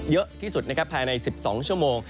เยอะที่สุดภายใน๑๒ชั่วโมง